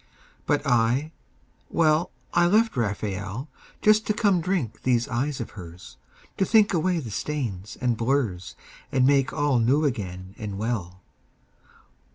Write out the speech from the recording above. But I, well, I left Raphael Just to come drink these eyes of hers, To think away the stains and blurs And make all new again and well.